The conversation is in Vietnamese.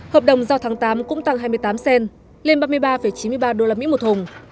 hợp đồng giao tháng tám cũng tăng hai mươi tám cent lên ba mươi ba chín mươi ba usd một thùng